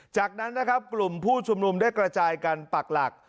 จากนั้นนะครับกลุ่มผู้ชุมนุมได้กระจายกันปักหลัก